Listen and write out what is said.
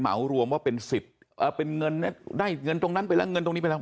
เหมารวมว่าเป็นสิทธิ์เป็นเงินได้เงินตรงนั้นไปแล้วเงินตรงนี้ไปแล้ว